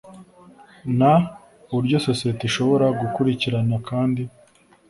n uburyo sosiyete ishobora gukurikirana kandi